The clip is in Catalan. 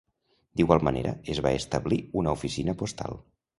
D'igual manera, es va establir una oficina postal.